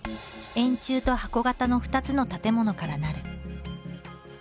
円柱と箱型の２つの建物からなる。